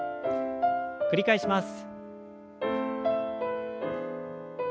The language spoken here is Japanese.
繰り返します。